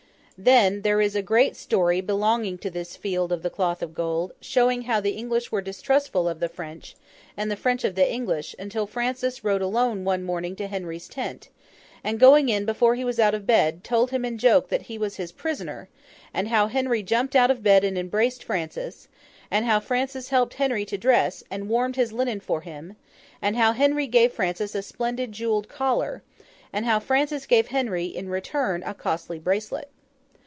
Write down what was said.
Then, there is a great story belonging to this Field of the Cloth of Gold, showing how the English were distrustful of the French, and the French of the English, until Francis rode alone one morning to Henry's tent; and, going in before he was out of bed, told him in joke that he was his prisoner; and how Henry jumped out of bed and embraced Francis; and how Francis helped Henry to dress, and warmed his linen for him; and how Henry gave Francis a splendid jewelled collar, and how Francis gave Henry, in return, a costly bracelet.